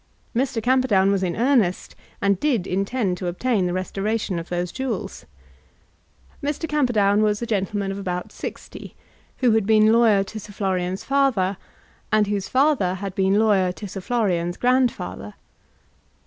Mr. Camperdown was in earnest, and did intend to obtain the restoration of those jewels. Mr. Camperdown was a gentleman of about sixty, who had been lawyer to Sir Florian's father, and whose father had been lawyer to Sir Florian's grandfather.